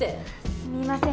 すみません。